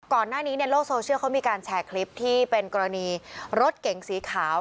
ก่อนหน้านี้ในโลกโซเชียลเขามีการแชร์คลิปที่เป็นกรณีรถเก๋งสีขาว